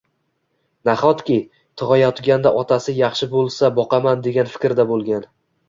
Nahotki, tug`ayotganda otasi yaxshi bo`lsa boqaman degan fikrda bo`lgan